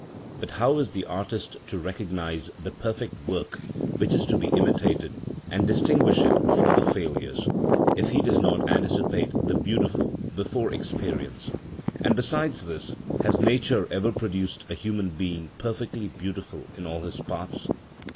But how is the artist to recognise the perfect work which is to be imitated, and distinguish it from the failures, if he does not anticipate the beautiful before experience? And besides this, has nature ever produced a human being perfectly beautiful in all his parts?